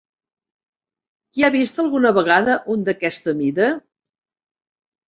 Qui ha vist alguna vegada un d'aquesta mida?